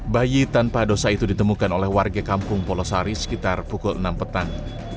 bayi tanpa dosa itu ditemukan oleh warga kampung polosari sekitar pukul enam petang